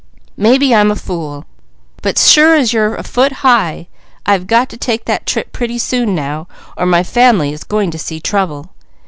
Maybe I'm a fool, but sure as you're a foot high, I've got to take that trip pretty soon now, or my family is going to see trouble.